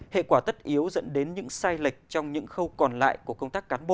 hệ quả tất yếu dẫn đến những sai lệch trong những khâu còn lại của công tác cán bộ